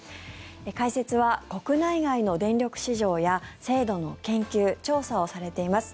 解説は国内外の電力市場や制度の研究・調査をされています